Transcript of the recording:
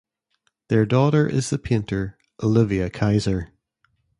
Their daughter is the painter Olivia Kaiser.